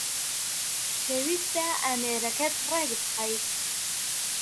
پێویستە ئامێرەکەت رێک بخەیت